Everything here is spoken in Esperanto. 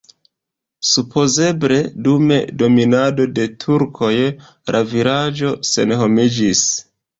Supozeble dum dominado de turkoj la vilaĝo senhomiĝis.